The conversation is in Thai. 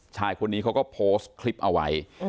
ชายคนนี้เขาก็โพสต์คลิปเอาไว้